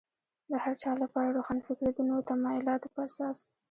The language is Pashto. د هر چا لپاره روښانفکري د نویو تمایلاتو په اساس.